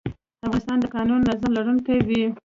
افغانستان د قانوني نظام لرونکی وي.